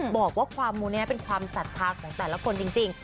บอกว่าความมูนี้เป็นความศรัทธาของแต่ละคนจริง